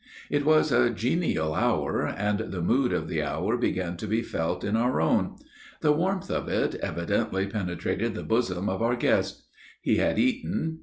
It was a genial hour, and the mood of the hour began to be felt in our own. The warmth of it evidently penetrated the bosom of our guest. He had eaten.